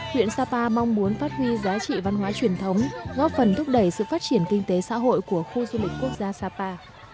huyện sapa mong muốn phát huy giá trị văn hóa truyền thống góp phần thúc đẩy sự phát triển kinh tế xã hội của khu du lịch quốc gia sapa